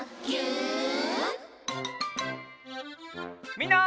みんな。